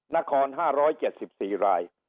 นคร๕๗๔ราย